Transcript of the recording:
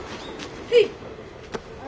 はい。